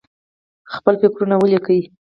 خپل فکرونه ولیکه.